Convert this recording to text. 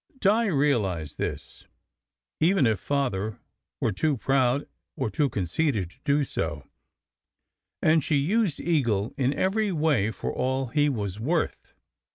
Di realized this, even if Father were too proud or too conceited to do so, and she used Eagle in every way, for all he was worth.